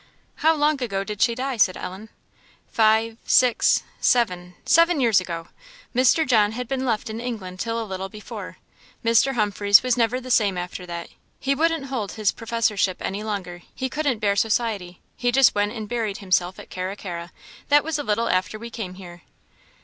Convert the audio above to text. "How long ago did she die?" said Ellen. "Five six, seven seven years ago. Mr. John had been left in England till a little before. Mr. Humphreys was never the same after that. He wouldn't hold his professorship any longer; he couldn't bear society; he just went and buried himself at Carra carra. That was a little after we came here."